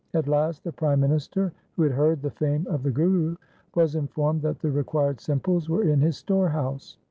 At last the prime minister, who had heard the fame of the Guru, was informed that the required simples were in his storehouse.